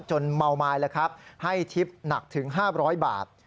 เมาไม้แล้วครับให้ชิปหนักถึง๕๐๐บาท